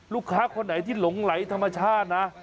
คนไหนที่หลงไหลธรรมชาตินะ